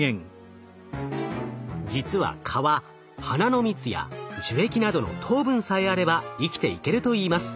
実は蚊は花の蜜や樹液などの糖分さえあれば生きていけるといいます。